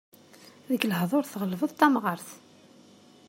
Deg lehdur tɣelbeḍ tamɣart.